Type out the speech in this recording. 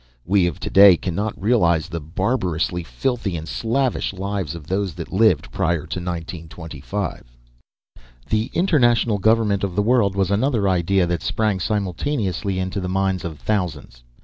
We of to day cannot realize the barbarously filthy and slavish lives of those that lived prior to 1925. The international government of the world was another idea that sprang simultaneously into the minds of thousands.